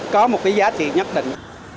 có một cái giá trị nhất định